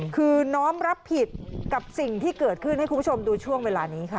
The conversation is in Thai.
คือน้อมรับผิดกับสิ่งที่เกิดขึ้นให้คุณผู้ชมดูช่วงเวลานี้ค่ะ